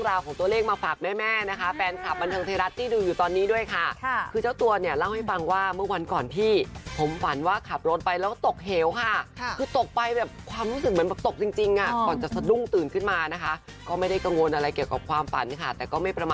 เราก็ต้องมีสติกับตัวเองตลอดนะครับ